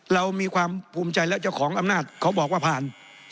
เรามีความภูมิใจแล้วเจ้าของอำนาจเขาบอกว่าผ่าน